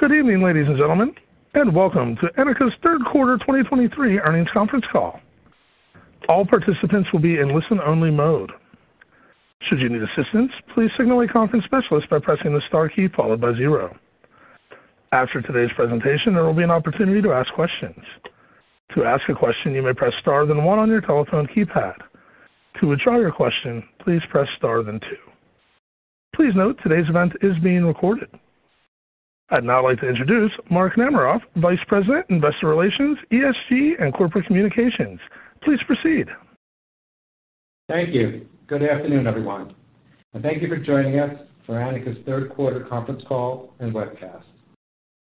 Good evening, ladies and gentlemen, and welcome to Anika's Third Quarter 2023 Earnings Conference Call. All participants will be in listen-only mode. Should you need assistance, please signal a conference specialist by pressing the star key followed by zero. After today's presentation, there will be an opportunity to ask questions. To ask a question, you may press star, then one on your telephone keypad. To withdraw your question, please press star, then two. Please note, today's event is being recorded. I'd now like to introduce Mark Namaroff, Vice President, Investor Relations, ESG, and Corporate Communications. Please proceed. Thank you. Good afternoon, everyone, and thank you for joining us for Anika's third quarter conference call and webcast.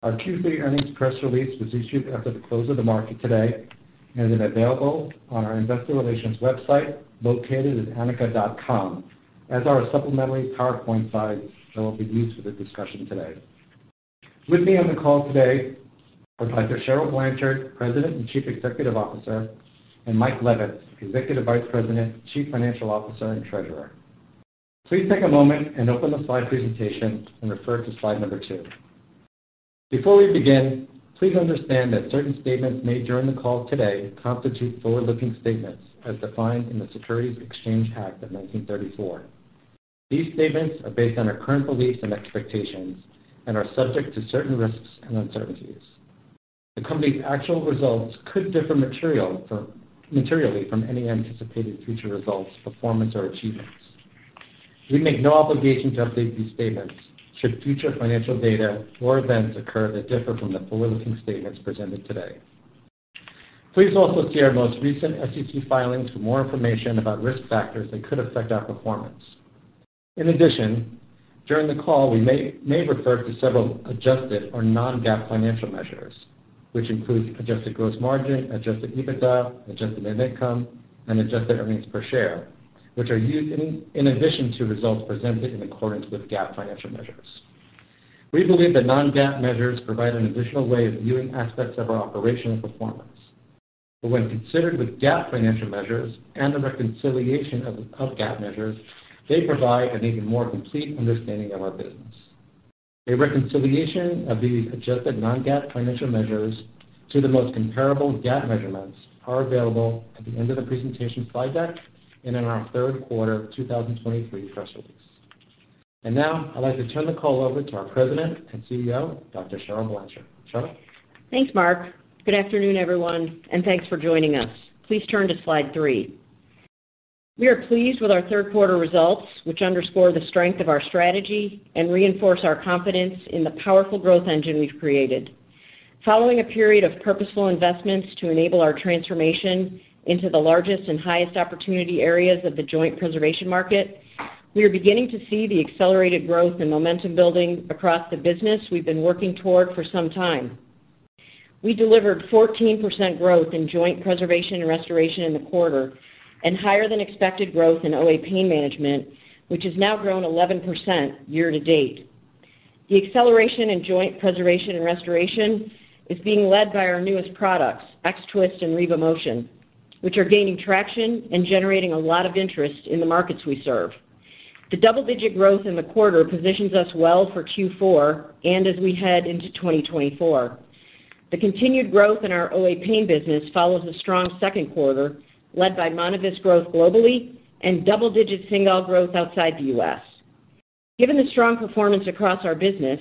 Our Q3 earnings press release was issued after the close of the market today and is available on our investor relations website, located at anika.com, as are our supplementary PowerPoint slides that will be used for the discussion today. With me on the call today are Dr. Cheryl Blanchard, President and Chief Executive Officer, and Michael Levitz, Executive Vice President, Chief Financial Officer, and Treasurer. Please take a moment and open the slide presentation and refer to slide number two. Before we begin, please understand that certain statements made during the call today constitute forward-looking statements as defined in the Securities Exchange Act of 1934. These statements are based on our current beliefs and expectations and are subject to certain risks and uncertainties. The company's actual results could differ materially from any anticipated future results, performance, or achievements. We make no obligation to update these statements should future financial data or events occur that differ from the forward-looking statements presented today. Please also see our most recent SEC filings for more information about risk factors that could affect our performance. In addition, during the call, we may refer to several adjusted or non-GAAP financial measures, which include adjusted gross margin, adjusted EBITDA, adjusted net income, and adjusted earnings per share, which are used in addition to results presented in accordance with GAAP financial measures. We believe that non-GAAP measures provide an additional way of viewing aspects of our operational performance. But when considered with GAAP financial measures and the reconciliation of GAAP measures, they provide an even more complete understanding of our business. A reconciliation of these adjusted non-GAAP financial measures to the most comparable GAAP measurements are available at the end of the presentation slide deck and in our third quarter 2023 press release. And now, I'd like to turn the call over to our President and CEO, Dr. Cheryl Blanchard. Cheryl? Thanks, Mark. Good afternoon, everyone, and thanks for joining us. Please turn to slide three. We are pleased with our third quarter results, which underscore the strength of our strategy and reinforce our confidence in the powerful growth engine we've created. Following a period of purposeful investments to enable our transformation into the largest and highest opportunity areas of the joint preservation market, we are beginning to see the accelerated growth and momentum building across the business we've been working toward for some time. We delivered 14% growth in joint preservation and restoration in the quarter, and higher than expected growth in OA pain management, which has now grown 11% year-to-date. The acceleration in joint preservation and restoration is being led by our newest products, X-Twist and RevoMotion, which are gaining traction and generating a lot of interest in the markets we serve. The double-digit growth in the quarter positions us well for Q4 and as we head into 2024. The continued growth in our OA pain business follows a strong second quarter, led by Monovisc growth globally and double-digit Cingal growth outside the U.S. Given the strong performance across our business,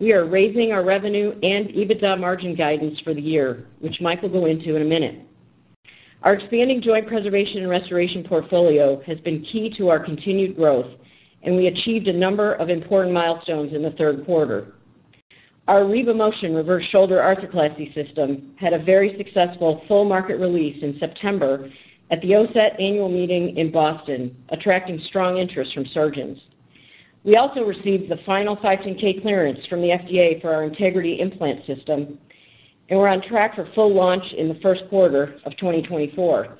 we are raising our revenue and EBITDA margin guidance for the year, which Mike will go into in a minute. Our expanding joint preservation and restoration portfolio has been key to our continued growth, and we achieved a number of important milestones in the third quarter. Our RevoMotion Reverse Shoulder Arthroplasty System had a very successful full market release in September at the OSET annual meeting in Boston, attracting strong interest from surgeons. We also received the final 510(k) clearance from the FDA for our Integrity Implant System, and we're on track for full launch in the first quarter of 2024.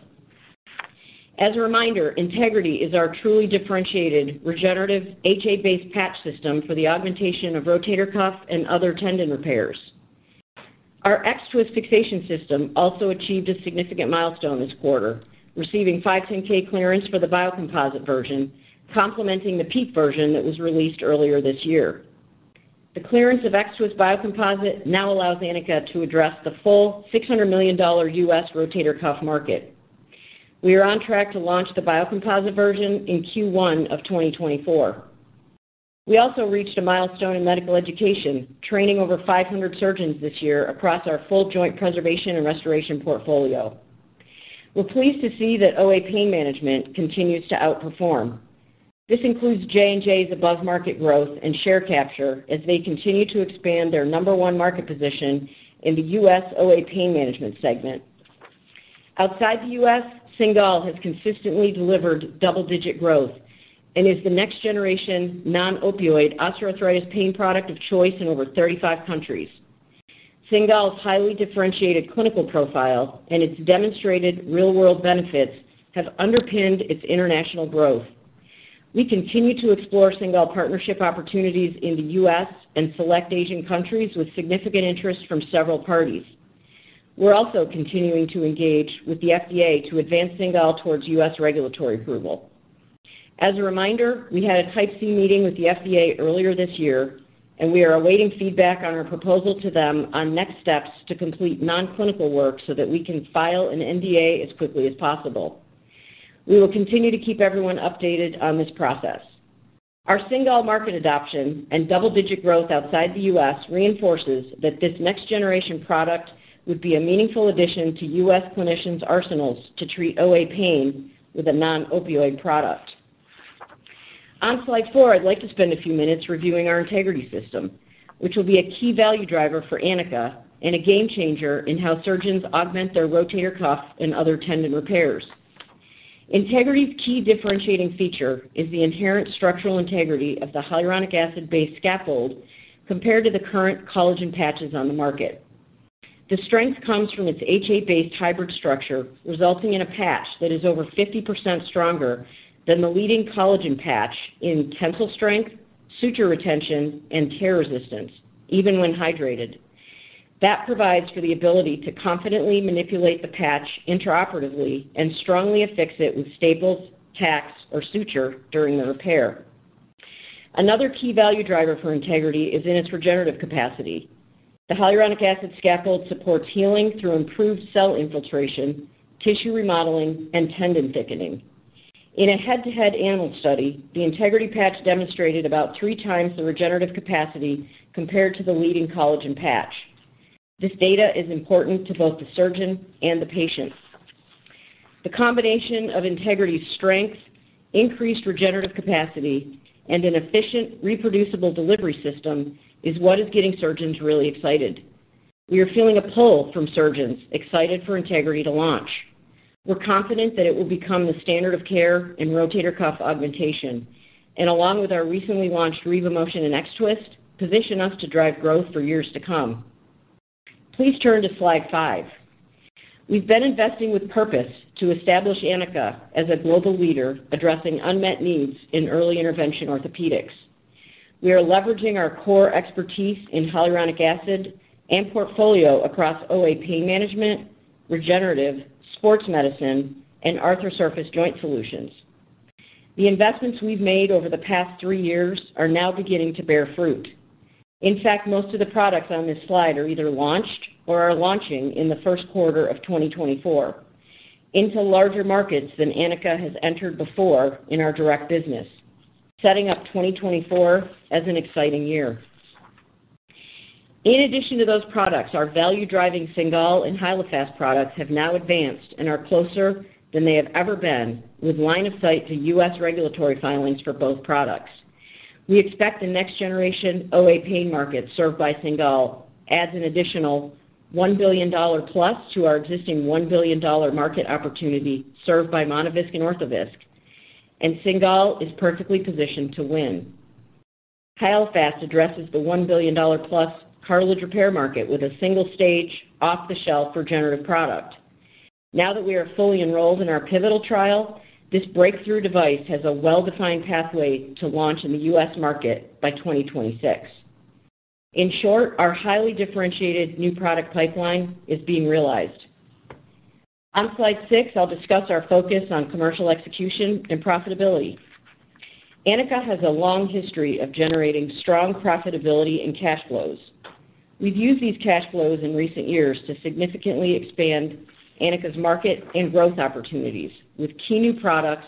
As a reminder, Integrity is our truly differentiated, regenerative, HA-based patch system for the augmentation of rotator cuff and other tendon repairs. Our X-Twist Fixation System also achieved a significant milestone this quarter, receiving 510(k) clearance for the Biocomposite version, complementing the PEEK version that was released earlier this year. The clearance of X-Twist Biocomposite now allows Anika to address the full $600 million U.S. rotator cuff market. We are on track to launch the Biocomposite version in Q1 of 2024. We also reached a milestone in medical education, training over 500 surgeons this year across our full joint preservation and restoration portfolio. We're pleased to see that OA pain management continues to outperform. This includes J&J's above-market growth and share capture as they continue to expand their number one market position in the U.S. OA pain management segment. Outside the U.S., Cingal has consistently delivered double-digit growth and is the next generation non-opioid osteoarthritis pain product of choice in over 35 countries. Cingal's highly differentiated clinical profile and its demonstrated real-world benefits have underpinned its international growth. We continue to explore Cingal partnership opportunities in the U.S. and select Asian countries with significant interest from several parties. We're also continuing to engage with the FDA to advance Cingal towards U.S. regulatory approval. As a reminder, we had a Type C meeting with the FDA earlier this year, and we are awaiting feedback on our proposal to them on next steps to complete non-clinical work so that we can file an NDA as quickly as possible. We will continue to keep everyone updated on this process. Our Cingal market adoption and double-digit growth outside the U.S. reinforces that this next-generation product would be a meaningful addition to U.S. clinicians' arsenals to treat OA pain with a non-opioid product. On slide four, I'd like to spend a few minutes reviewing our Integrity system, which will be a key value driver for Anika and a game changer in how surgeons augment their rotator cuff and other tendon repairs. Integrity's key differentiating feature is the inherent structural integrity of the hyaluronic acid-based scaffold compared to the current collagen patches on the market. The strength comes from its HA-based hybrid structure, resulting in a patch that is over 50% stronger than the leading collagen patch in tensile strength, suture retention, and tear resistance, even when hydrated. That provides for the ability to confidently manipulate the patch intraoperatively and strongly affix it with staples, tacks, or suture during the repair. Another key value driver for Integrity is in its regenerative capacity. The hyaluronic acid scaffold supports healing through improved cell infiltration, tissue remodeling, and tendon thickening. In a head-to-head animal study, the Integrity patch demonstrated about 3x the regenerative capacity compared to the leading collagen patch. This data is important to both the surgeon and the patient. The combination of Integrity's strength, increased regenerative capacity, and an efficient, reproducible delivery system is what is getting surgeons really excited. We are feeling a pull from surgeons excited for Integrity to launch. We're confident that it will become the standard of care in rotator cuff augmentation, and along with our recently launched RevoMotion and X-Twist, position us to drive growth for years to come. Please turn to slide 5. We've been investing with purpose to establish Anika as a global leader, addressing unmet needs in early intervention orthopedics. We are leveraging our core expertise in hyaluronic acid and portfolio across OA pain management, regenerative, sports medicine, and Arthrosurface joint solutions. The investments we've made over the past three years are now beginning to bear fruit. In fact, most of the products on this slide are either launched or are launching in the first quarter of 2024 into larger markets than Anika has entered before in our direct business, setting up 2024 as an exciting year. In addition to those products, our value-driving Cingal and Hyalofast products have now advanced and are closer than they have ever been, with line of sight to U.S. regulatory filings for both products. We expect the next generation OA pain market served by Cingal adds an additional $1 billion-plus to our existing $1 billion market opportunity served by Monovisc and Orthovisc, and Cingal is perfectly positioned to win. Hyalofast addresses the $1 billion-plus cartilage repair market with a single-stage, off-the-shelf regenerative product. Now that we are fully enrolled in our pivotal trial, this breakthrough device has a well-defined pathway to launch in the U.S. market by 2026. In short, our highly differentiated new product pipeline is being realized. On slide six, I'll discuss our focus on commercial execution and profitability. Anika has a long history of generating strong profitability and cash flows. We've used these cash flows in recent years to significantly expand Anika's market and growth opportunities, with key new products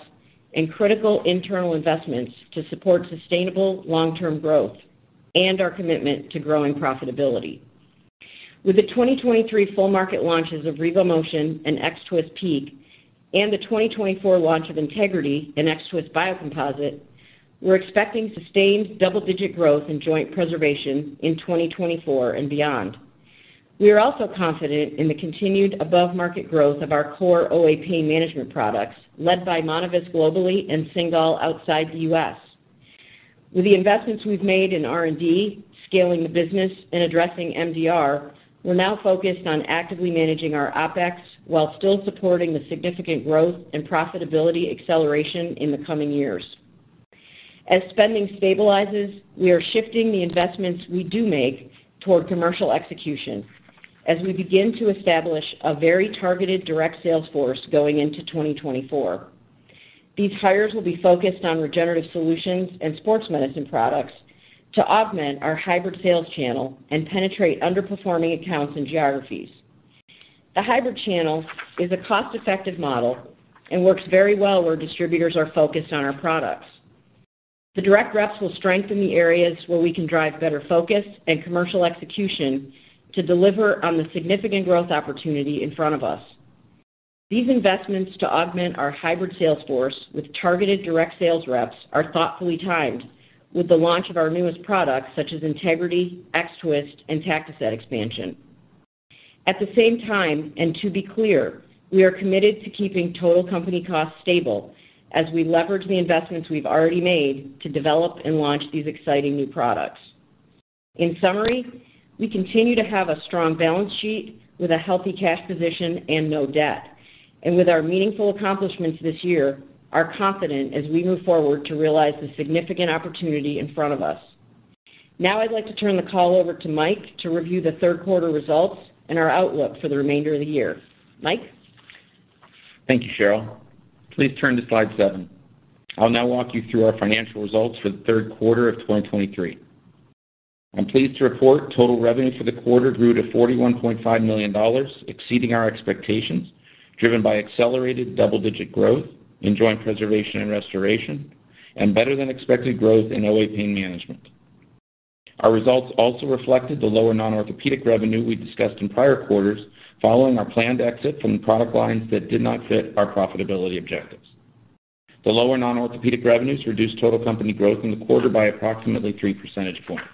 and critical internal investments to support sustainable long-term growth and our commitment to growing profitability. With the 2023 full market launches of RevoMotion and X-Twist PEEK, and the 2024 launch of Integrity and X-Twist Biocomposite, we're expecting sustained double-digit growth in joint preservation in 2024 and beyond. We are also confident in the continued above-market growth of our core OA pain management products, led by Monovisc globally and Cingal outside the US. With the investments we've made in R&D, scaling the business, and addressing MDR, we're now focused on actively managing our OpEx while still supporting the significant growth and profitability acceleration in the coming years. As spending stabilizes, we are shifting the investments we do make toward commercial execution as we begin to establish a very targeted direct sales force going into 2024. These hires will be focused on regenerative solutions and sports medicine products to augment our hybrid sales channel and penetrate underperforming accounts and geographies. The hybrid channel is a cost-effective model and works very well where distributors are focused on our products. The direct reps will strengthen the areas where we can drive better focus and commercial execution to deliver on the significant growth opportunity in front of us. These investments to augment our hybrid sales force with targeted direct sales reps are thoughtfully timed with the launch of our newest products, such as Integrity, X-Twist, and Tactoset expansion. At the same time, and to be clear, we are committed to keeping total company costs stable as we leverage the investments we've already made to develop and launch these exciting new products. In summary, we continue to have a strong balance sheet with a healthy cash position and no debt, and with our meaningful accomplishments this year, are confident as we move forward to realize the significant opportunity in front of us. Now I'd like to turn the call over to Mike to review the third quarter results and our outlook for the remainder of the year. Mike? Thank you, Cheryl. Please turn to slide seven. I'll now walk you through our financial results for the third quarter of 2023. I'm pleased to report total revenue for the quarter grew to $41.5 million, exceeding our expectations, driven by accelerated double-digit growth in joint preservation and restoration, and better-than-expected growth in OA Pain Management. Our results also reflected the lower non-orthopedic revenue we discussed in prior quarters, following our planned exit from the product lines that did not fit our profitability objectives. The lower non-orthopedic revenues reduced total company growth in the quarter by approximately three percentage points.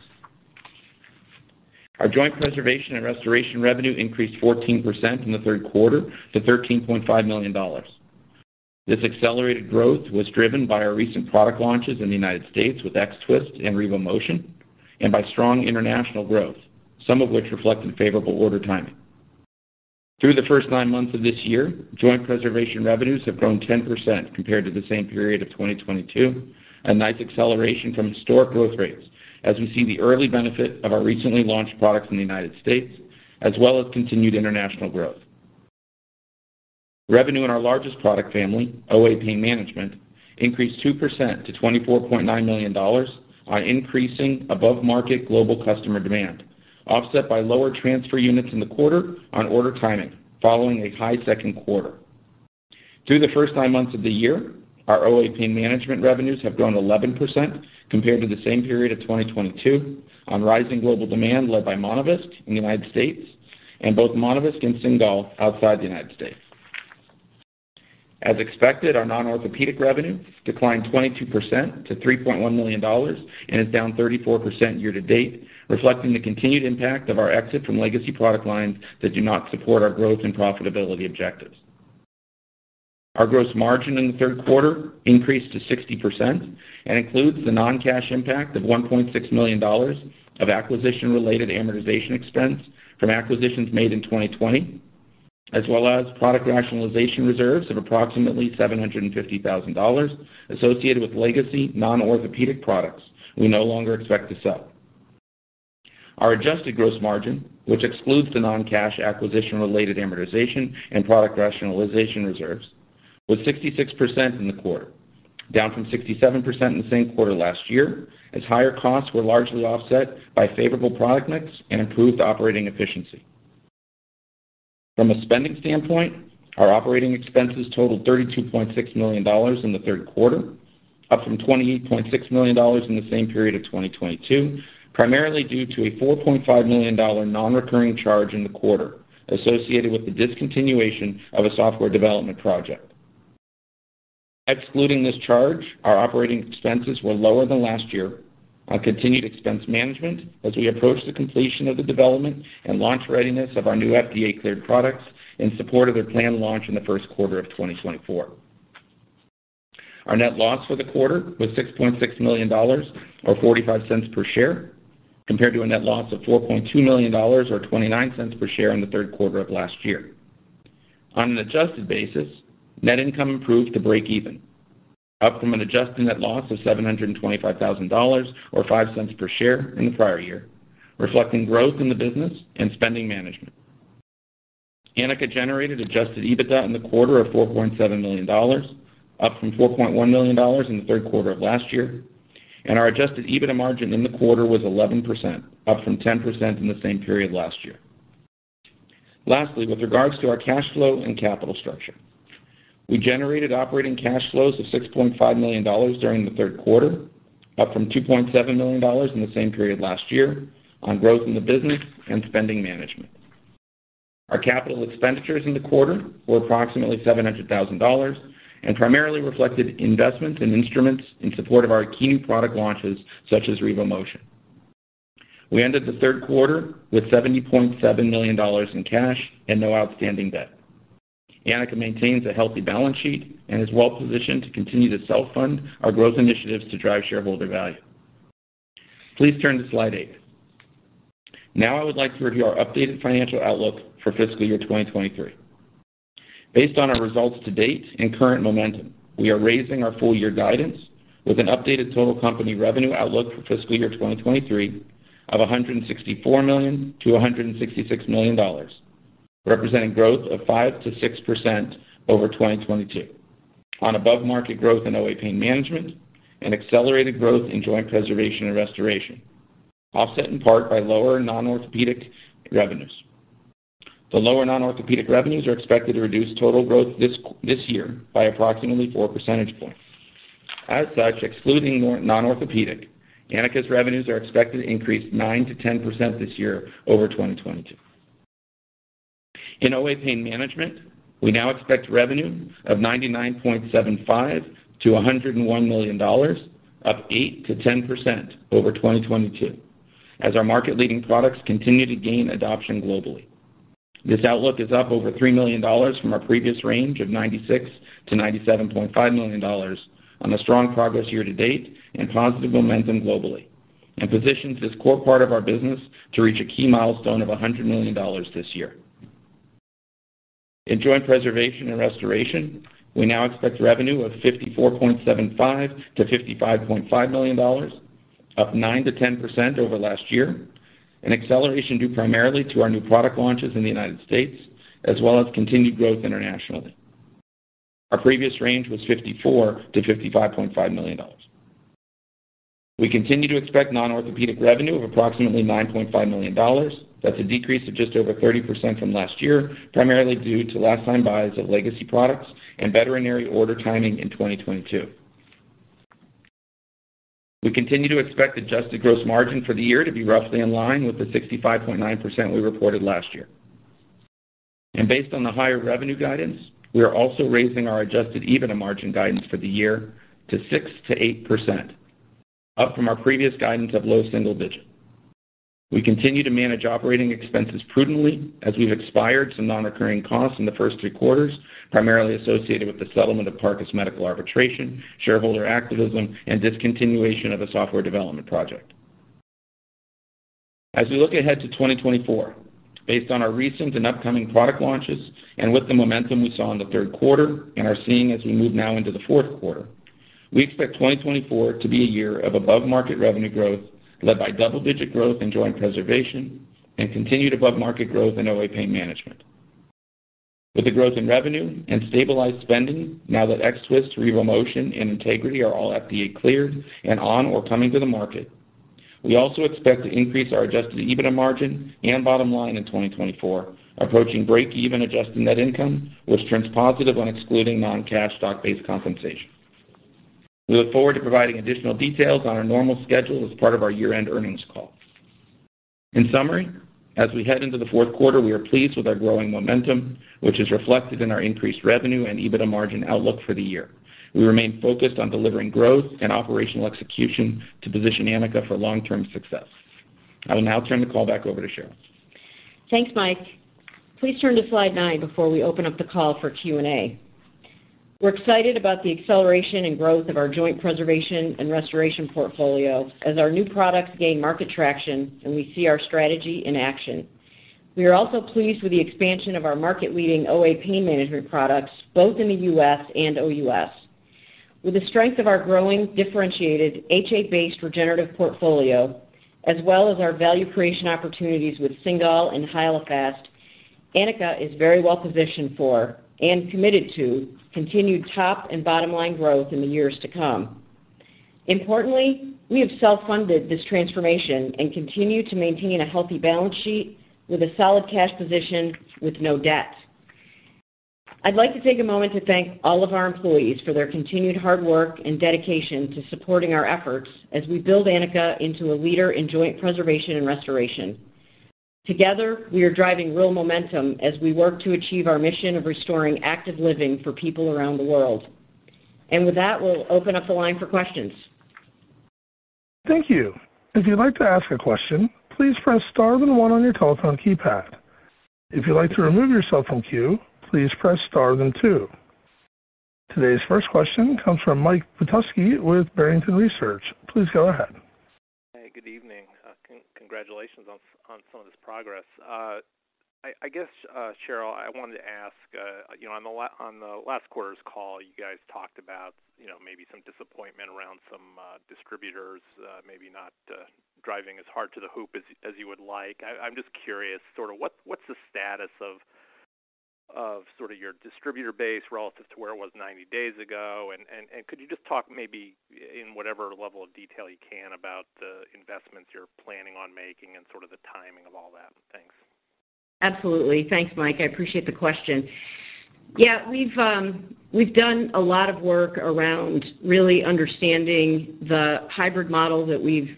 Our joint preservation and restoration revenue increased 14% in the third quarter to $13.5 million. This accelerated growth was driven by our recent product launches in the United States with X-Twist and RevoMotion, and by strong international growth, some of which reflected favorable order timing. Through the first nine months of this year, joint preservation revenues have grown 10% compared to the same period of 2022, a nice acceleration from historic growth rates, as we see the early benefit of our recently launched products in the United States, as well as continued international growth. Revenue in our largest product family, OA Pain Management, increased 2% to $24.9 million on increasing above-market global customer demand, offset by lower transfer units in the quarter on order timing, following a high second quarter. Through the first nine months of the year, our OA Pain Management revenues have grown 11% compared to the same period of 2022 on rising global demand led by Monovisc in the United States and both Monovisc and Cingal outside the United States. As expected, our non-orthopedic revenue declined 22% to $3.1 million and is down 34% year to date, reflecting the continued impact of our exit from legacy product lines that do not support our growth and profitability objectives. Our gross margin in the third quarter increased to 60% and includes the non-cash impact of $1.6 million of acquisition-related amortization expense from acquisitions made in 2020, as well as product rationalization reserves of approximately $750,000 associated with legacy non-orthopedic products we no longer expect to sell. Our adjusted gross margin, which excludes the non-cash acquisition-related amortization and product rationalization reserves, was 66% in the quarter, down from 67% in the same quarter last year, as higher costs were largely offset by favorable product mix and improved operating efficiency. From a spending standpoint, our operating expenses totaled $32.6 million in the third quarter, up from $20.6 million in the same period of 2022, primarily due to a $4.5 million non-recurring charge in the quarter associated with the discontinuation of a software development project. Excluding this charge, our operating expenses were lower than last year on continued expense management as we approach the completion of the development and launch readiness of our new FDA-cleared products in support of their planned launch in the first quarter of 2024. Our net loss for the quarter was $6.6 million, or $0.45 per share, compared to a net loss of $4.2 million, or $0.29 per share in the third quarter of last year. On an adjusted basis, net income improved to break even, up from an adjusted net loss of $725,000 or $0.05 per share in the prior year, reflecting growth in the business and spending management. Anika generated adjusted EBITDA in the quarter of $4.7 million, up from $4.1 million in the third quarter of last year, and our adjusted EBITDA margin in the quarter was 11%, up from 10% in the same period last year. Lastly, with regards to our cash flow and capital structure, we generated operating cash flows of $6.5 million during the third quarter, up from $2.7 million in the same period last year on growth in the business and spending management. Our capital expenditures in the quarter were approximately $700,000 and primarily reflected investments in instruments in support of our key new product launches, such as RevoMotion. We ended the third quarter with $70.7 million in cash and no outstanding debt. Anika maintains a healthy balance sheet and is well positioned to continue to self-fund our growth initiatives to drive shareholder value. Please turn to slide eight. Now, I would like to review our updated financial outlook for fiscal year 2023. Based on our results to date and current momentum, we are raising our full year guidance with an updated total company revenue outlook for fiscal year 2023 of $164 million-$166 million, representing growth of 5%-6% over 2022 on above-market growth in OA Pain Management and accelerated growth in joint preservation and restoration, offset in part by lower non-orthopedic revenues. The lower non-orthopedic revenues are expected to reduce total growth this year by approximately four percentage points. As such, excluding non-orthopedic, Anika's revenues are expected to increase 9%-10% this year over 2022. In OA Pain Management, we now expect revenue of $99.75-$101 million, up 8%-10% over 2022, as our market-leading products continue to gain adoption globally. This outlook is up over $3 million from our previous range of $96 million-$97.5 million on the strong progress year to date and positive momentum globally, and positions this core part of our business to reach a key milestone of $100 million this year. In joint preservation and restoration, we now expect revenue of $54.75 million-$55.5 million, up 9%-10% over last year, an acceleration due primarily to our new product launches in the United States, as well as continued growth internationally. Our previous range was $54 million-$55.5 million. We continue to expect non-orthopedic revenue of approximately $9.5 million. That's a decrease of just over 30% from last year, primarily due to last-time buys of legacy products and veterinary order timing in 2022. We continue to expect adjusted gross margin for the year to be roughly in line with the 65.9% we reported last year. Based on the higher revenue guidance, we are also raising our adjusted EBITDA margin guidance for the year to 6%-8%, up from our previous guidance of low single-digit. We continue to manage operating expenses prudently as we've expensed some non-recurring costs in the first three quarters, primarily associated with the settlement of Parcus Medical arbitration, shareholder activism, and discontinuation of a software development project. As we look ahead to 2024, based on our recent and upcoming product launches and with the momentum we saw in the third quarter and are seeing as we move now into the fourth quarter, we expect 2024 to be a year of above-market revenue growth, led by double-digit growth in joint preservation and continued above-market growth in OA Pain Management. With the growth in revenue and stabilized spending, now that X-Twist, RevoMotion, and Integrity are all FDA cleared and on or coming to the market, we also expect to increase our adjusted EBITDA margin and bottom line in 2024, approaching break-even adjusted net income, which turns positive when excluding non-cash stock-based compensation. We look forward to providing additional details on our normal schedule as part of our year-end earnings call. In summary, as we head into the fourth quarter, we are pleased with our growing momentum, which is reflected in our increased revenue and EBITDA margin outlook for the year. We remain focused on delivering growth and operational execution to position Anika for long-term success. I will now turn the call back over to Cheryl. Thanks, Mike. Please turn to slide nine before we open up the call for Q&A. We're excited about the acceleration and growth of our joint preservation and restoration portfolio as our new products gain market traction, and we see our strategy in action. We are also pleased with the expansion of our market-leading OA Pain Management products, both in the U.S. and O.U.S. With the strength of our growing, differentiated, HA-based regenerative portfolio, as well as our value creation opportunities with Cingal and Hyalofast, Anika is very well positioned for and committed to continued top and bottom line growth in the years to come. Importantly, we have self-funded this transformation and continue to maintain a healthy balance sheet with a solid cash position with no debt. I'd like to take a moment to thank all of our employees for their continued hard work and dedication to supporting our efforts as we build Anika into a leader in joint preservation and restoration. Together, we are driving real momentum as we work to achieve our mission of restoring active living for people around the world. With that, we'll open up the line for questions. Thank you. If you'd like to ask a question, please press star then one on your telephone keypad. If you'd like to remove yourself from queue, please press star then two. Today's first question comes from Mike Petusky with Barrington Research. Please go ahead. Hey, good evening. Congratulations on some of this progress. I guess, Cheryl, I wanted to ask, you know, on the last quarter's call, you guys talked about, you know, maybe some disappointment around some distributors, maybe not driving as hard to the hoop as you would like. I'm just curious, sort of what, what's the status of sort of your distributor base relative to where it was 90 days ago? And could you just talk maybe in whatever level of detail you can, about the investments you're planning on making and sort of the timing of all that? Thanks. Absolutely. Thanks, Mike. I appreciate the question. Yeah, we've done a lot of work around really understanding the hybrid model that we've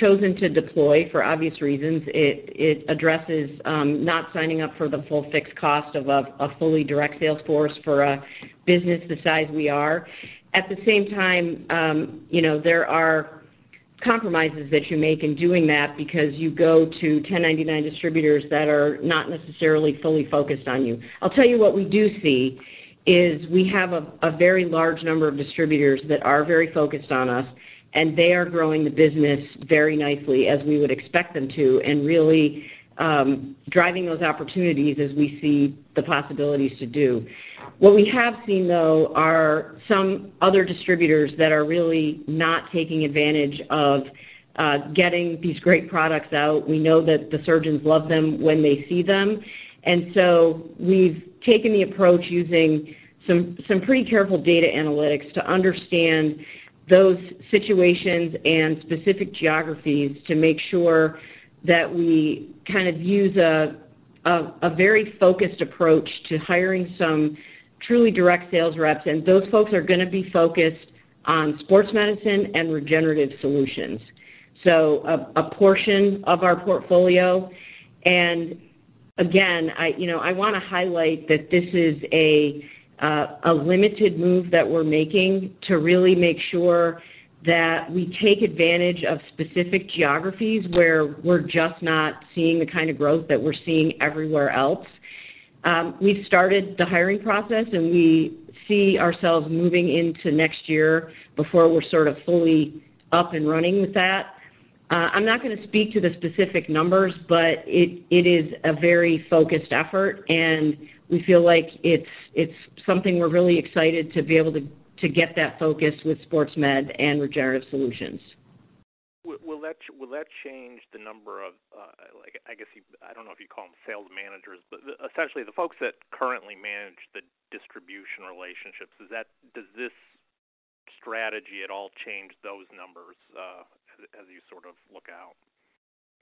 chosen to deploy, for obvious reasons. It addresses not signing up for the full fixed cost of a fully direct sales force for a business the size we are. At the same time, you know, there are compromises that you make in doing that because you go to 1099 distributors that are not necessarily fully focused on you. I'll tell you what we do see is we have a very large number of distributors that are very focused on us, and they are growing the business very nicely, as we would expect them to, and really driving those opportunities as we see the possibilities to do. What we have seen, though, are some other distributors that are really not taking advantage of getting these great products out. We know that the surgeons love them when they see them, and so we've taken the approach using some pretty careful data analytics to understand those situations and specific geographies to make sure that we kind of use a very focused approach to hiring some truly direct sales reps, and those folks are going to be focused on sports medicine and regenerative solutions. So a portion of our portfolio. And again, I you know I want to highlight that this is a limited move that we're making to really make sure that we take advantage of specific geographies where we're just not seeing the kind of growth that we're seeing everywhere else. We've started the hiring process, and we see ourselves moving into next year before we're sort of fully up and running with that. I'm not gonna speak to the specific numbers, but it is a very focused effort, and we feel like it's something we're really excited to be able to get that focus with sports med and regenerative solutions. Will, will that change the number of, like, I guess, I don't know if you call them sales managers, but essentially, the folks that currently manage the distribution relationships? Does this strategy at all change those numbers, as you sort of look out?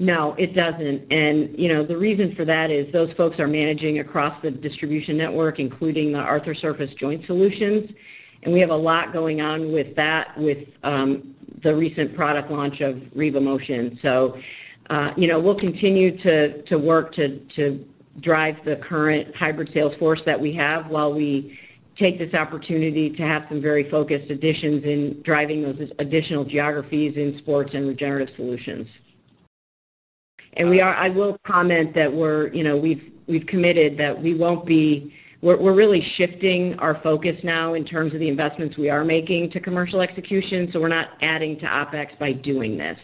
No, it doesn't. And, you know, the reason for that is those folks are managing across the distribution network, including the Arthrosurface. And we have a lot going on with that, with the recent product launch of RevoMotion. So, you know, we'll continue to work to drive the current hybrid sales force that we have while we take this opportunity to have some very focused additions in driving those additional geographies in sports and regenerative solutions. And we are—I will comment that we're, you know, we've committed that we won't be—we're really shifting our focus now in terms of the investments we are making to commercial execution, so we're not adding to OpEx by doing this.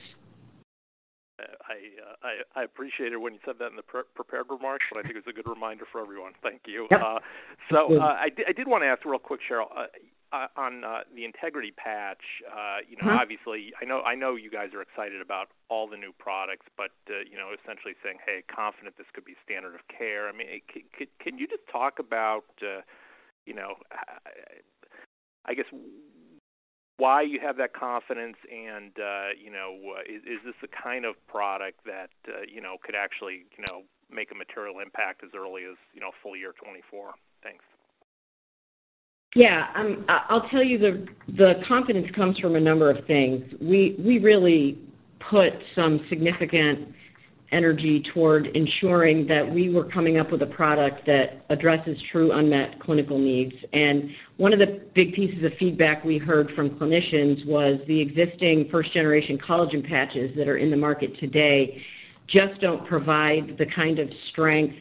I appreciate it when you said that in the pre-prepared remarks, but I think it's a good reminder for everyone. Thank you. Yeah. So, I did wanna ask real quick, Cheryl, on the Integrity patch. Mm-hmm. You know, obviously, I know, I know you guys are excited about all the new products, but, you know, essentially saying, "Hey, confident this could be standard of care." I mean, could you just talk about, you know, I guess, why you have that confidence, and, you know, is this the kind of product that, you know, could actually, you know, make a material impact as early as, you know, full year 2024? Thanks. Yeah, I'll tell you, the confidence comes from a number of things. We really put some significant energy toward ensuring that we were coming up with a product that addresses true unmet clinical needs. And one of the big pieces of feedback we heard from clinicians was the existing first-generation collagen patches that are in the market today just don't provide the kind of strength,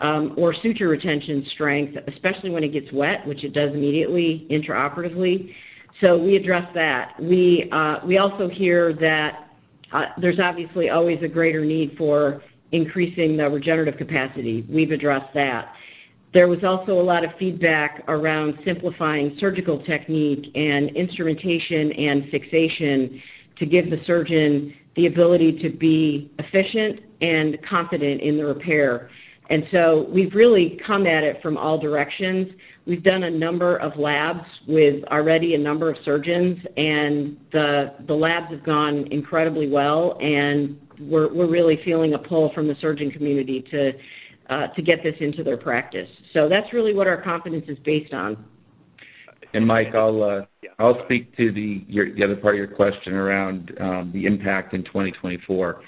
or suture retention strength, especially when it gets wet, which it does immediately intraoperatively. So we addressed that. We also hear that there's obviously always a greater need for increasing the regenerative capacity. We've addressed that. There was also a lot of feedback around simplifying surgical technique and instrumentation and fixation to give the surgeon the ability to be efficient and confident in the repair. And so we've really come at it from all directions. We've done a number of labs with already a number of surgeons, and the labs have gone incredibly well, and we're really feeling a pull from the surgeon community to get this into their practice. So that's really what our confidence is based on. And Mike, I'll speak to the other part of your question around the impact in 2024.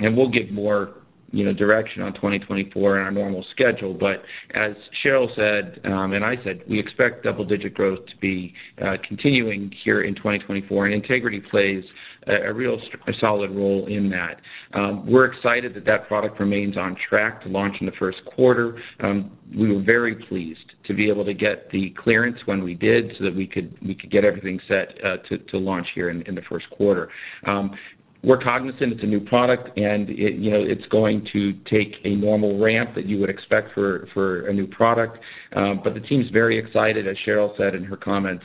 We'll get more, you know, direction on 2024 in our normal schedule. But as Cheryl said, and I said, we expect double-digit growth to be continuing here in 2024, and Integrity plays a real solid role in that. We're excited that that product remains on track to launch in the first quarter. We were very pleased to be able to get the clearance when we did so that we could get everything set to launch here in the first quarter. We're cognizant it's a new product, and it, you know, it's going to take a normal ramp that you would expect for a new product. But the team's very excited, as Cheryl said in her comments.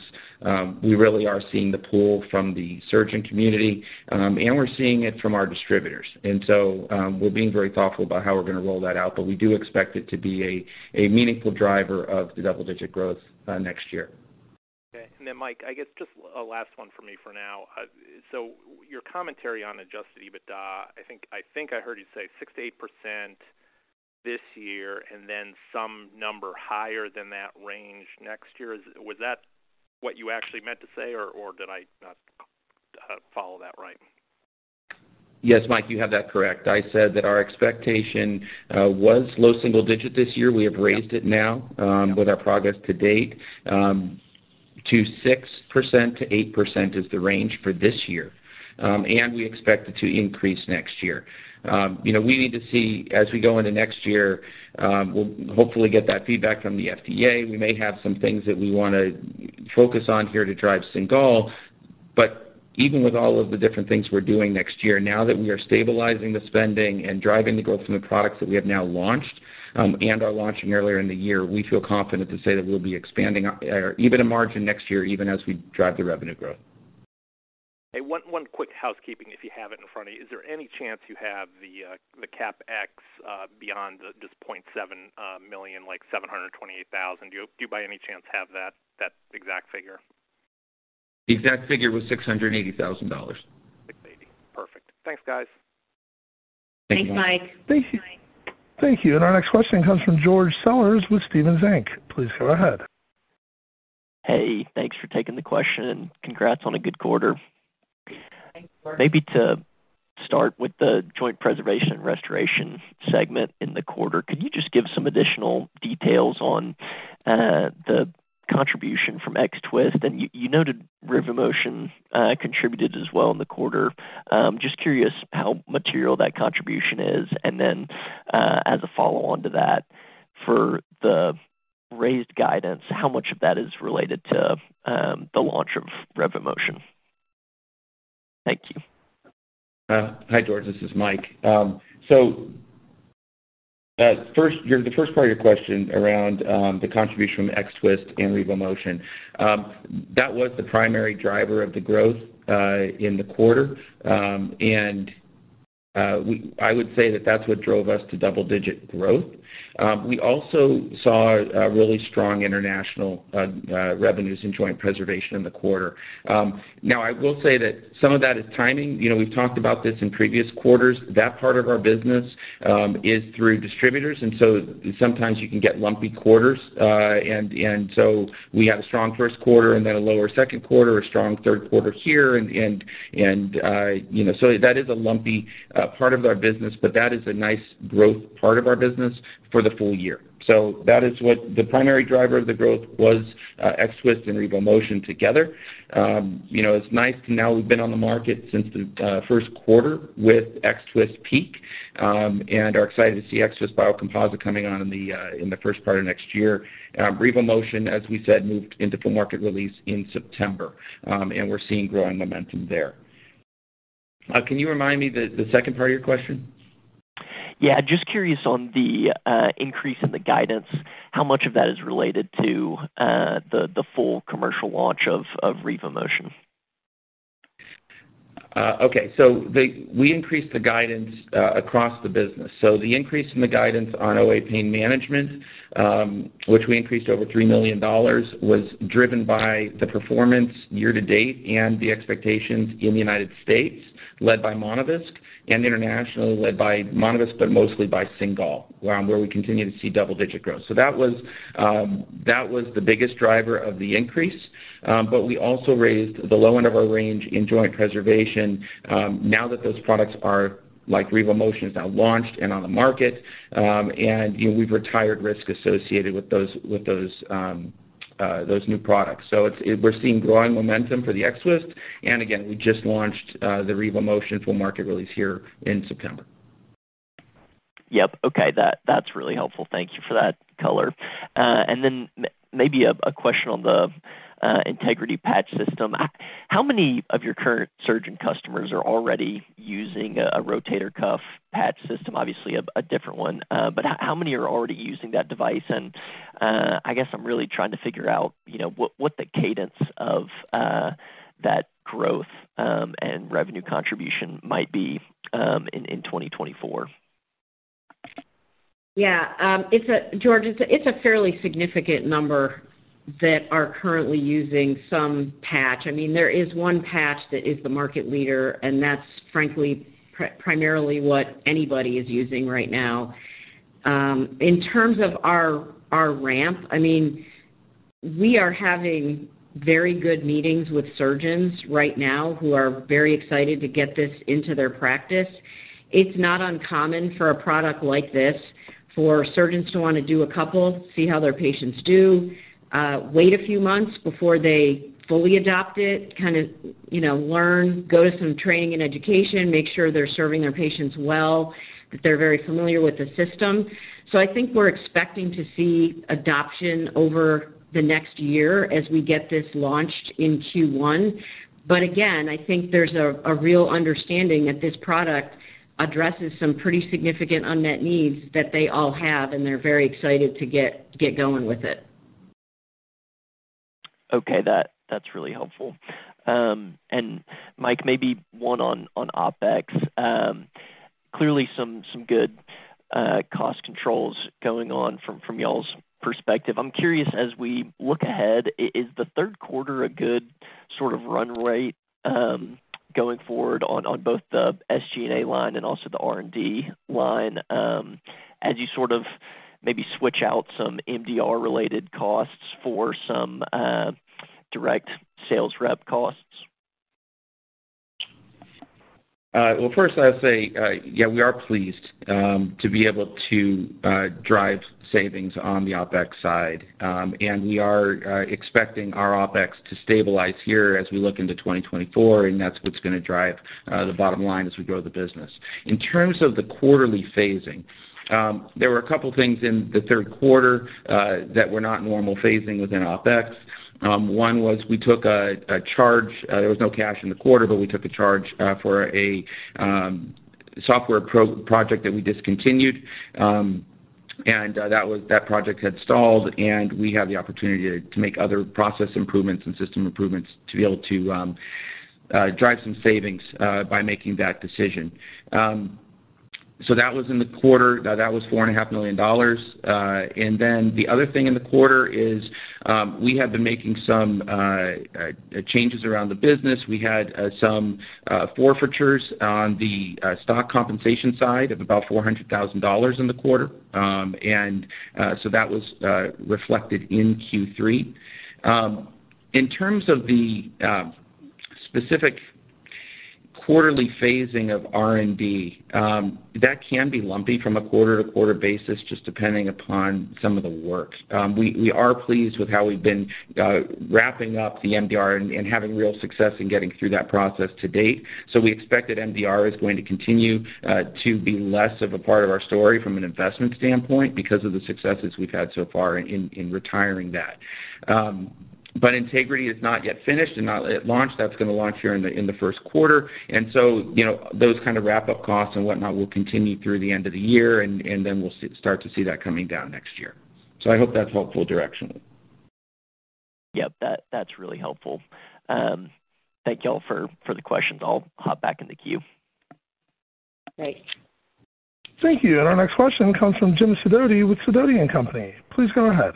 We really are seeing the pull from the surgeon community, and we're seeing it from our distributors. And so, we're being very thoughtful about how we're gonna roll that out, but we do expect it to be a meaningful driver of the double-digit growth next year. Okay. And then, Mike, I guess just a last one for me for now. So your commentary on adjusted EBITDA, I think, I think I heard you say 6%-8% this year, and then some number higher than that range next year. Was that what you actually meant to say, or did I not follow that right? Yes, Mike, you have that correct. I said that our expectation was low single digit this year. We have raised it now, with our progress to date, to 6%-8% is the range for this year, and we expect it to increase next year. You know, we need to see as we go into next year, we'll hopefully get that feedback from the FDA. We may have some things that we wanna focus on here to drive Cingal, but even with all of the different things we're doing next year, now that we are stabilizing the spending and driving the growth from the products that we have now launched, and are launching earlier in the year, we feel confident to say that we'll be expanding our, EBITDA margin next year, even as we drive the revenue growth. Hey, one quick housekeeping, if you have it in front of you. Is there any chance you have the CapEx beyond this $0.7 million, like $728,000? Do you, by any chance, have that exact figure? The exact figure was $680,000. $680. Perfect. Thanks, guys. Thank you. Thanks, Mike. Thank you. Thank you. And our next question comes from George Sellers with Stephens Inc. Please go ahead. Hey, thanks for taking the question, and congrats on a good quarter. Thanks, George. Maybe to start with the joint preservation and restoration segment in the quarter, could you just give some additional details on the contribution from X-Twist? And you noted RevoMotion contributed as well in the quarter. Just curious how material that contribution is. And then, as a follow-on to that, for the raised guidance, how much of that is related to the launch of RevoMotion? Thank you. Hi, George, this is Mike. So, first, the first part of your question around the contribution from X-Twist and RevoMotion. That was the primary driver of the growth in the quarter. And we, I would say that that's what drove us to double-digit growth. We also saw a really strong international revenues in joint preservation in the quarter. Now, I will say that some of that is timing. You know, we've talked about this in previous quarters. That part of our business is through distributors, and so sometimes you can get lumpy quarters. And so we had a strong first quarter and then a lower second quarter, a strong third quarter here, and you know, so that is a lumpy part of our business, but that is a nice growth part of our business for the full year. So that is what the primary driver of the growth was, X-Twist and RevoMotion together. You know, it's nice to now we've been on the market since the first quarter with X-Twist PEEK, and are excited to see X-Twist biocomposite coming on in the first part of next year. RevoMotion, as we said, moved into full market release in September, and we're seeing growing momentum there. Can you remind me the second part of your question? Yeah, just curious on the increase in the guidance, how much of that is related to the full commercial launch of RevoMotion? Okay. We increased the guidance across the business. So the increase in the guidance on OA Pain Management, which we increased over $3 million, was driven by the performance year to date and the expectations in the United States, led by Monovisc, and internationally, led by Monovisc, but mostly by Cingal, where we continue to see double-digit growth. So that was the biggest driver of the increase, but we also raised the low end of our range in joint preservation, now that those products are, like, RevoMotion is now launched and on the market, and, you know, we've retired risk associated with those new products. So, we're seeing growing momentum for the X-Twist, and again, we just launched the RevoMotion full market release here in September. Yep. Okay, that, that's really helpful. Thank you for that color. And then maybe a question on the Integrity Implant System. How many of your current surgeon customers are already using a rotator cuff patch system? Obviously, a different one, but how many are already using that device? And I guess I'm really trying to figure out, you know, what the cadence of that growth and revenue contribution might be in 2024. Yeah, George, it's a fairly significant number that are currently using some patch. I mean, there is one patch that is the market leader, and that's frankly, primarily what anybody is using right now. In terms of our ramp, I mean, we are having very good meetings with surgeons right now who are very excited to get this into their practice. It's not uncommon for a product like this for surgeons to want to do a couple, see how their patients do, wait a few months before they fully adopt it, kind of, you know, learn, go to some training and education, make sure they're serving their patients well, that they're very familiar with the system. So I think we're expecting to see adoption over the next year as we get this launched in Q1. But again, I think there's a real understanding that this product addresses some pretty significant unmet needs that they all have, and they're very excited to get going with it. Okay, that, that's really helpful. And Mike, maybe one on OpEx. Clearly some good cost controls going on from y'all's perspective. I'm curious, as we look ahead, is the third quarter a good sort of run rate going forward on both the SG&A line and also the R&D line, as you sort of maybe switch out some MDR-related costs for some direct sales rep costs? Well, first, I'd say, yeah, we are pleased to be able to drive savings on the OpEx side. And we are expecting our OpEx to stabilize here as we look into 2024, and that's what's going to drive the bottom line as we grow the business. In terms of the quarterly phasing, there were a couple of things in the third quarter that were not normal phasing within OpEx. One was we took a charge, there was no cash in the quarter, but we took a charge for a software project that we discontinued. And, that project had stalled, and we had the opportunity to make other process improvements and system improvements to be able to drive some savings by making that decision. So that was in the quarter. That was $4.5 million. And then the other thing in the quarter is, we have been making some changes around the business. We had some forfeitures on the stock compensation side of about $400,000 in the quarter. And so that was reflected in Q3. In terms of the specific quarterly phasing of R&D, that can be lumpy from a quarter-to-quarter basis, just depending upon some of the work. We are pleased with how we've been wrapping up the MDR and having real success in getting through that process to date. So we expect that MDR is going to continue to be less of a part of our story from an investment standpoint because of the successes we've had so far in retiring that. But Integrity is not yet finished and not yet launched. That's going to launch here in the first quarter. And so, you know, those kind of wrap-up costs and whatnot will continue through the end of the year, and then we'll start to see that coming down next year. So I hope that's helpful direction. Yep, that's really helpful. Thank you all for the questions. I'll hop back in the queue. Great. Thank you. Our next question comes from Jim Sidoti with Sidoti & Company. Please go ahead.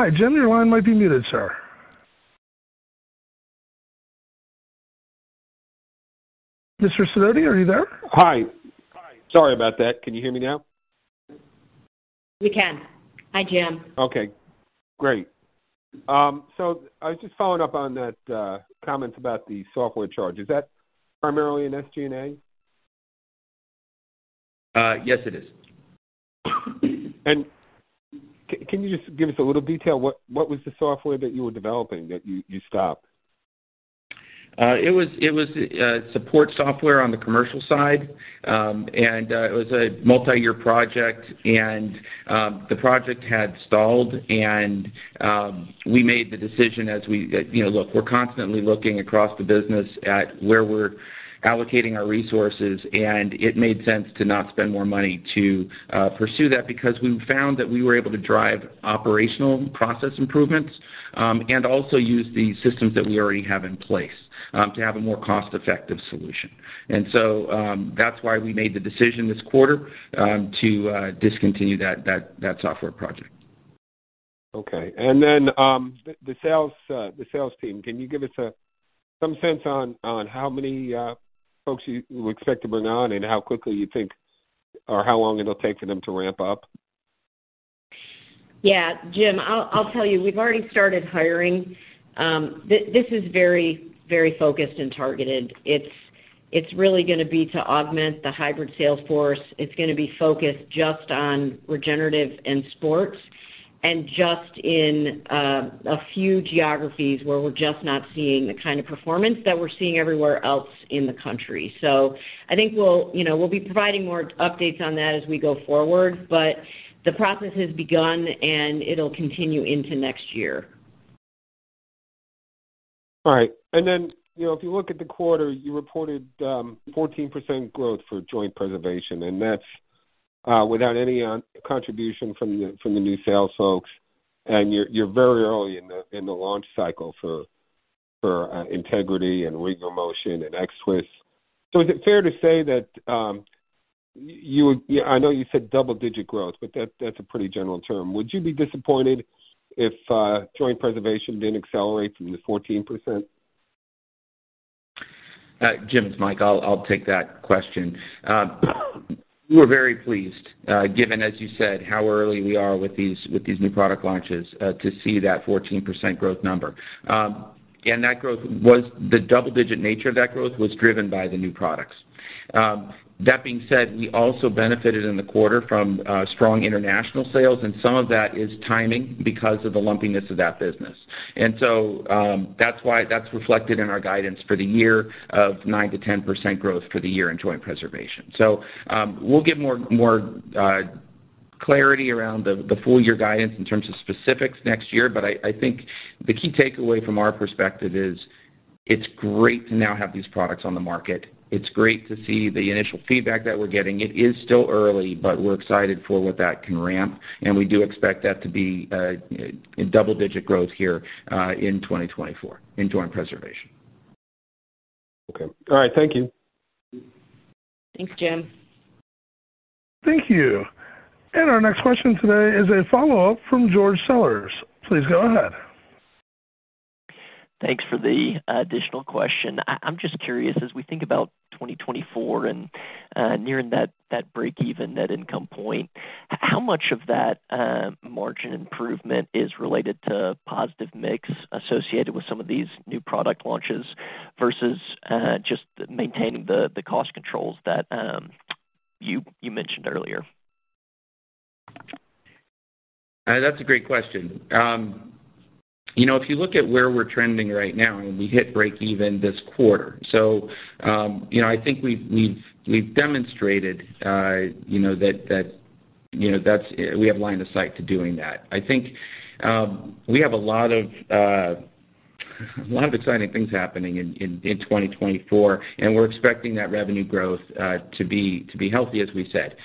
Hi, Jim, your line might be muted, sir. Mr. Sidoti, are you there? Hi. Sorry about that. Can you hear me now? We can. Hi, Jim. Okay, great. So I was just following up on that, comments about the software charge. Is that primarily in SG&A? Yes, it is. Can you just give us a little detail? What, what was the software that you were developing that you, you stopped? It was support software on the commercial side, and it was a multi-year project, and the project had stalled, and we made the decision as we, you know, look, we're constantly looking across the business at where we're allocating our resources, and it made sense to not spend more money to pursue that. Because we found that we were able to drive operational process improvements, and also use the systems that we already have in place, to have a more cost-effective solution. And so, that's why we made the decision this quarter, to discontinue that software project. Okay. And then, the sales team, can you give us some sense on how many folks you expect to bring on and how quickly you think, or how long it'll take for them to ramp up? Yeah, Jim, I'll tell you, we've already started hiring. This is very, very focused and targeted. It's really gonna be to augment the hybrid sales force. It's gonna be focused just on regenerative and sports and just in a few geographies where we're just not seeing the kind of performance that we're seeing everywhere else in the country. So I think we'll, you know, we'll be providing more updates on that as we go forward, but the process has begun, and it'll continue into next year. All right. And then, you know, if you look at the quarter, you reported 14% growth for joint preservation, and that's without any contribution from the new sales folks. And you're very early in the launch cycle for Integrity and RevoMotion and X-Twist. So is it fair to say that you—I know you said double-digit growth, but that's a pretty general term. Would you be disappointed if joint preservation didn't accelerate from the 14%? Jim, it's Michael. I'll take that question. We're very pleased, given, as you said, how early we are with these new product launches, to see that 14% growth number. And that growth was... The double-digit nature of that growth was driven by the new products. That being said, we also benefited in the quarter from strong international sales, and some of that is timing because of the lumpiness of that business. And so, that's why that's reflected in our guidance for the year of 9%-10% growth for the year in joint preservation. So, we'll give more clarity around the full year guidance in terms of specifics next year. But I think the key takeaway from our perspective is, it's great to now have these products on the market. It's great to see the initial feedback that we're getting. It is still early, but we're excited for what that can ramp, and we do expect that to be a double-digit growth here in 2024 in joint preservation. Okay. All right. Thank you. Thanks, Jim. Thank you. Our next question today is a follow-up from George Sellers. Please go ahead. Thanks for the additional question. I'm just curious, as we think about 2024 and nearing that break-even net income point, how much of that margin improvement is related to positive mix associated with some of these new product launches versus just maintaining the cost controls that you mentioned earlier? That's a great question. You know, if you look at where we're trending right now, and we hit break even this quarter. So, you know, I think we've demonstrated, you know, that, you know, that's. We have line of sight to doing that. I think, we have a lot of, lot of exciting things happening in 2024, and we're expecting that revenue growth, to be healthy, as we said.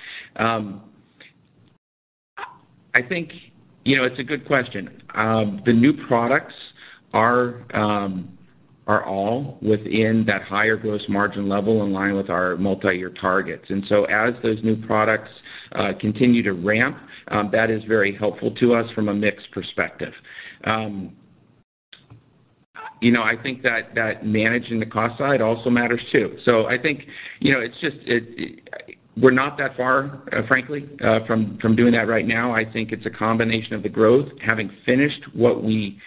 I think, you know, it's a good question. The new products are, are all within that higher gross margin level, in line with our multi-year targets. And so as those new products, continue to ramp, that is very helpful to us from a mix perspective. You know, I think that, managing the cost side also matters too. So I think, you know, it's just, we're not that far, frankly, from doing that right now. I think it's a combination of the growth. Having finished what we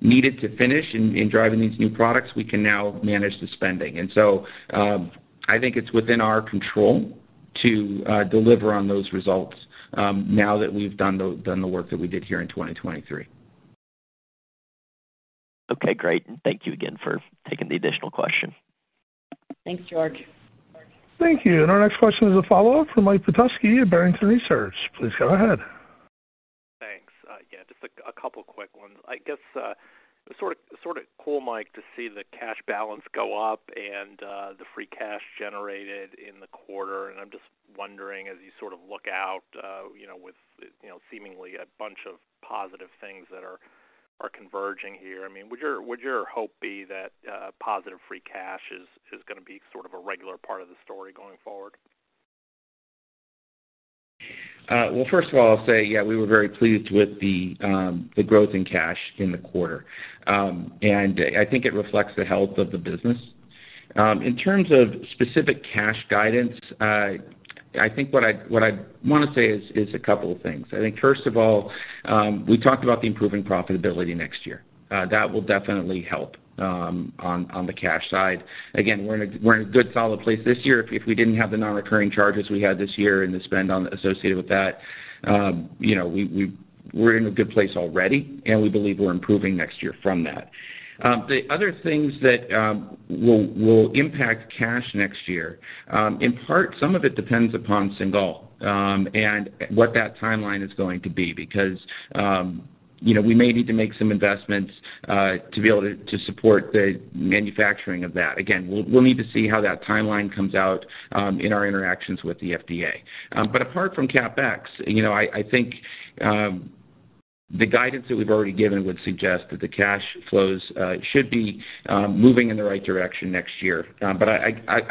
needed to finish in driving these new products, we can now manage the spending. And so, I think it's within our control to deliver on those results, now that we've done the work that we did here in 2023. Okay, great, and thank you again for taking the additional question. Thanks, George. Thank you. Our next question is a follow-up from Mike Petusky at Barrington Research. Please go ahead. Thanks. Yeah, just a couple quick ones. I guess, sort of cool, Mike, to see the cash balance go up and the free cash generated in the quarter. And I'm just wondering, as you sort of look out, you know, with seemingly a bunch of positive things that are converging here, I mean, would your hope be that positive free cash is gonna be sort of a regular part of the story going forward? Well, first of all, I'll say, yeah, we were very pleased with the growth in cash in the quarter. And I think it reflects the health of the business. In terms of specific cash guidance, I think what I want to say is a couple of things. I think, first of all, we talked about the improving profitability next year. That will definitely help on the cash side. Again, we're in a good solid place this year. If we didn't have the non-recurring charges we had this year and the spend on associated with that, you know, we're in a good place already, and we believe we're improving next year from that. The other things that will impact cash next year, in part, some of it depends upon Cingal and what that timeline is going to be, because you know, we may need to make some investments to be able to support the manufacturing of that. Again, we'll need to see how that timeline comes out in our interactions with the FDA. But apart from CapEx, you know, I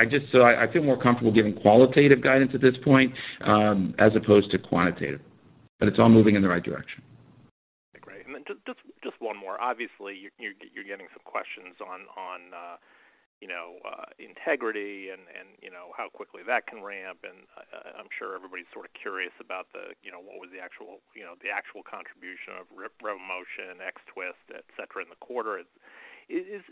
just- so I feel more comfortable giving qualitative guidance at this point, as opposed to quantitative, but it's all moving in the right direction. Great. And then just one more. Obviously, you're getting some questions on, you know, Integrity and, you know, how quickly that can ramp. And I, I'm sure everybody's sort of curious about the, you know, what was the actual, you know, the actual contribution of RevoMotion, X-Twist, et cetera, in the quarter. Is,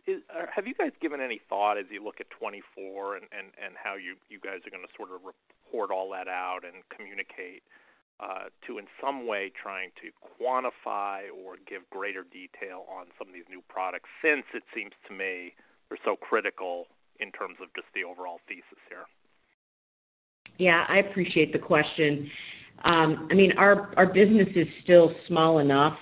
have you guys given any thought as you look at 2024 and, and how you guys are gonna sort of report all that out and communicate, to in some way trying to quantify or give greater detail on some of these new products, since it seems to me they're so critical in terms of just the overall thesis here? Yeah, I appreciate the question. I mean, our business is still small enough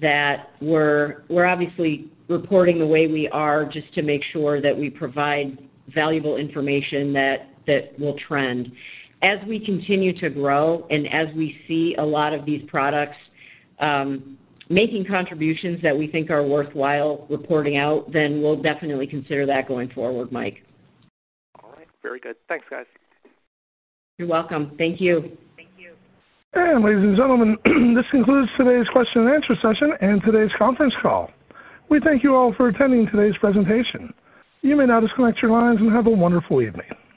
that we're obviously reporting the way we are just to make sure that we provide valuable information that will trend. As we continue to grow and as we see a lot of these products making contributions that we think are worthwhile reporting out, then we'll definitely consider that going forward, Mike. All right. Very good. Thanks, guys. You're welcome. Thank you. Thank you. Ladies and gentlemen, this concludes today's question and answer session and today's conference call. We thank you all for attending today's presentation. You may now disconnect your lines and have a wonderful evening.